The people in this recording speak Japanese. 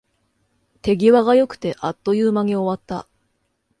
手際が良くて、あっという間に終わった